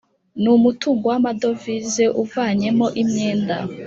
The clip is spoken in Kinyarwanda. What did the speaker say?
ni umutungo w’amadovize uvanyemo imyenda